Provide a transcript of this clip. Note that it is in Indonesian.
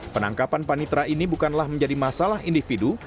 penangkapan panitra ini bukanlah menjadi masalah individu